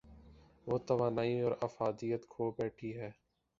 وہ توانائی اورافادیت کھو بیٹھی ہے۔